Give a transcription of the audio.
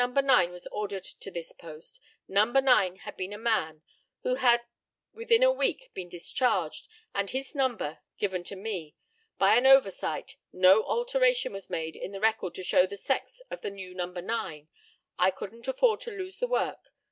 9 was ordered to this post. No. 9 had been a man, who had within a week been discharged, and his number given to me. By an oversight, no alteration was made in the record to show the sex of the new No. 9. I couldn't afford to lose the work.